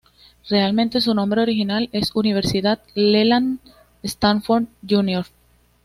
Realmente, su nombre original es Universidad Leland Stanford Junior.